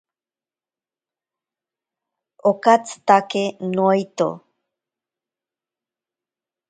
Okatsitake noito.